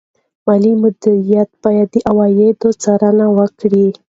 مالي مدیر باید د عوایدو څارنه وکړي.